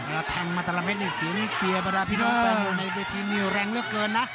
แล้วแทงมัตรเม็ดในศิลป์เชียร์บราพิธองแป้งอยู่ในเวทีนิวแรงเลือกเกินนะ